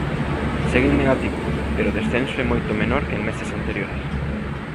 Segue en negativo, pero o descenso é moito menor que en meses anteriores.